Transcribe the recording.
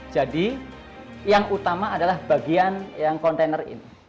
jadi yang utama adalah bagian yang kontainer ini